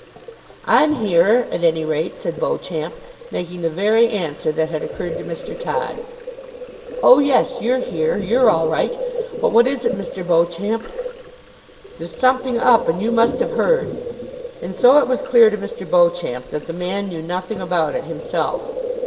"I'm here, at any rate," said Beauclerk, making the very answer that had occurred to Mr. Todd. "Oh, yes, you're here. You're all right. But what is it, Mr. Beauclerk? There's something up, and you must have heard." And so it was clear to Mr. Beauclerk that the man knew nothing about it himself.